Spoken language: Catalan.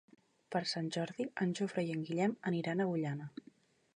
Per Sant Jordi en Jofre i en Guillem aniran a Agullana.